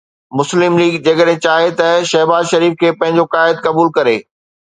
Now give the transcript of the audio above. مسلم ليگ جيڪڏهن چاهي ته شهباز شريف کي پنهنجو قائد قبول ڪري.